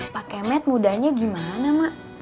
pak kemet mudanya gimana mak